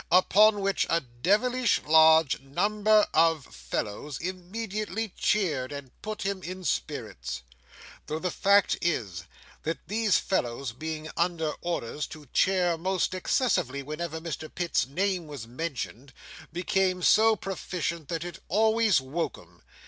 Upon which, a devilish large number of fellows immediately cheered, and put him in spirits. Though the fact is, that these fellows, being under orders to cheer most excessively whenever Mr Pitt's name was mentioned, became so proficient that it always woke 'em.